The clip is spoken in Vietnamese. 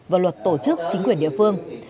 và luật tổ chức chính quyền địa phương